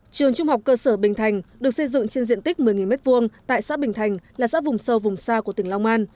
trường trung học cơ sở bình thành được xây dựng trên diện tích một mươi m hai tại xã bình thành là xã vùng sâu vùng xa của tỉnh long an